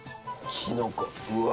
きのこうわ！